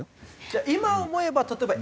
じゃあ今思えば例えば。